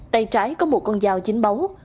tay trái có một con dao dính máu